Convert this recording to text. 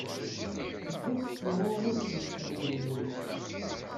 Tezga tessemɣuɣud tmes deg addaynin.